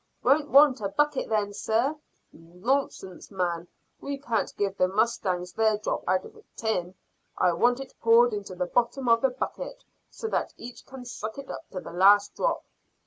"Won't want a bucket then, sir." "Nonsense, man! We can't give the mustangs their drop out of a tin. I want it poured into the bottom of the bucket so that each can suck it up to the last drop."